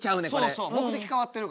そうそう目的変わってるから。